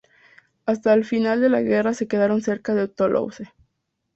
Hasta el final de la guerra se quedaron cerca de Toulouse.